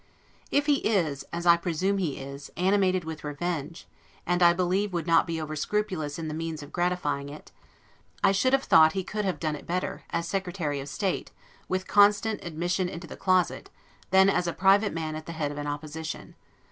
If he is, as I presume he is, animated with revenge, and I believe would not be over scrupulous in the means of gratifying it, I should have thought he could have done it better, as Secretary of State, with constant admission into the closet, than as a private man at the head of an opposition.